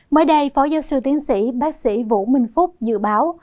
mới đây phó giáo sư tiến sĩ bác sĩ vũ minh phúc dự báo